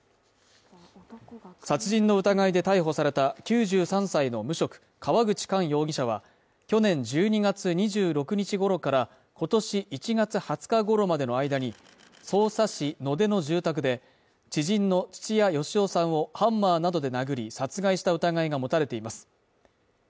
男が殺人の疑いで逮捕された９３歳の無職川口寛容疑者は去年１２月２６日ごろから今年１月２０日ごろまでの間に匝瑳市野手の住宅で、知人の土屋好夫さんをハンマーなどで殴り殺害した疑いが持たれています。